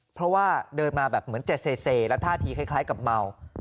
เพราะว่าเดินมาแบบเหมือนจะเซและท่าทีคล้ายกับเมา